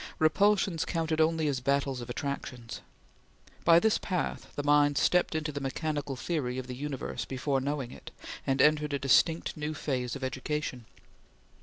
Repulsions counted only as battle of attractions. By this path, the mind stepped into the mechanical theory of the universe before knowing it, and entered a distinct new phase of education.